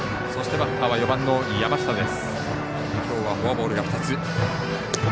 バッターは４番の山下です。